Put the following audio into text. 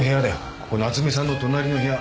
ここ夏目さんの隣の部屋。